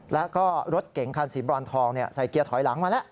แล้วก็รถเก๋งคันสีบรอนทองใส่เกียร์ถอยหลังมาแล้ว